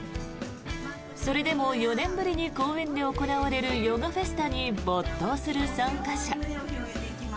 それでも４年ぶりに公園で行われるヨガフェスタに没頭する参加者。